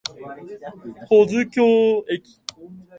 保津峡駅